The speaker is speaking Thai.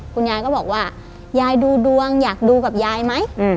คุณยายก็บอกว่ายายดูดวงอยากดูกับยายไหม